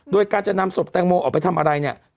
โดยการจะนำศพแตงโมออกไปทำอะไรเนี่ย